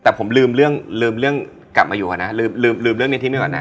แต่ผมลืมเรื่องลืมเรื่องกลับมาอยู่ก่อนนะลืมลืมเรื่องนี้ทิ้งไว้ก่อนนะ